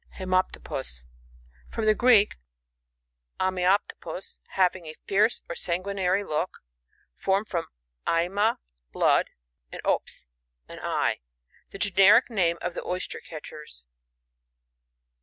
HiBMATOPUs. — From the Greek, atma topoSf having a fierce or sanguinary look ; formed from aima, blood, and ops, an eye. The generic name of the Oyster catchers.